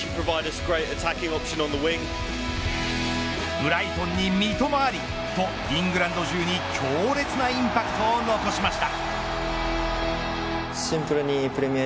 ブライトンに三笘ありとイングランド中に強烈なインパクトを残しました。